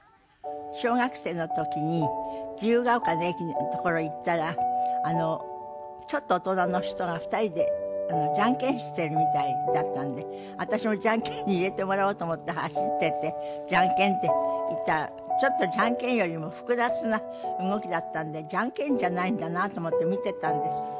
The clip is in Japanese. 小学生の時に自由が丘の駅のところ行ったらあのちょっと大人の人が２人でじゃんけんしてるみたいだったんで私もじゃんけんに入れてもらおうと思って走ってってじゃんけんって言ったらちょっとじゃんけんよりも複雑な動きだったんでじゃんけんじゃないんだなと思って見てたんです。